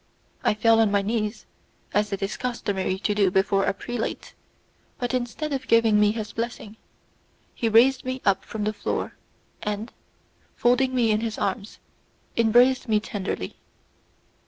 I fell on my knees, as it is customary to do before a prelate, but, instead of giving me his blessing, he raised me up from the floor, and, folding me in his arms, embraced me tenderly.